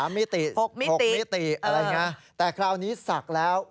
มิติ๖มิติอะไรอย่างนี้แต่คราวนี้ศักดิ์แล้ว